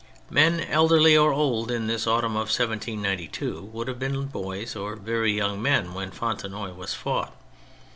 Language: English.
Men elderly or old in this autumn of 1792 would have been boys or very young men when Fontenoy was fought.